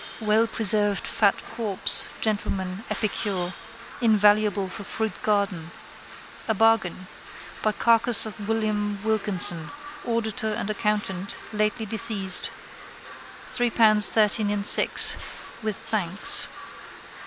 Well preserved fat corpse, gentleman, epicure, invaluable for fruit garden. A bargain. By carcass of William Wilkinson, auditor and accountant, lately deceased, three pounds thirteen and six. With thanks.